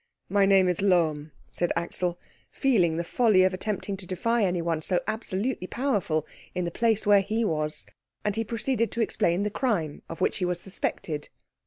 "My name is Lohm," said Axel, feeling the folly of attempting to defy anyone so absolutely powerful in the place where he was; and he proceeded to explain the crime of which he was suspected.